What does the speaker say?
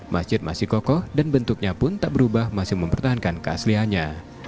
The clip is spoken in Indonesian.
masjid masih kokoh dan bentuknya pun tak berubah masih mempertahankan keasliannya